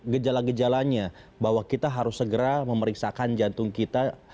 kejalan kejalannya bahwa kita harus segera memeriksakan jantung kita